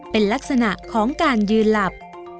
เป็นลักษณะของการยืนหลับ